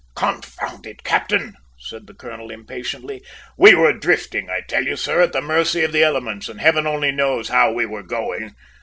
"Confound it, captain!" said the colonel impatiently. "We were drifting, I tell you, sir, at the mercy of the elements, and heaven only knows how we were going!